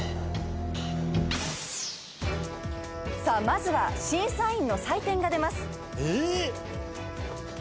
さあまずは審査員の採点が出ます。